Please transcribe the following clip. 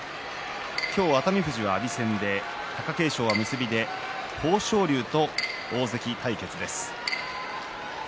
今日、熱海富士は阿炎戦で貴景勝は結びで豊昇龍と大関対決です。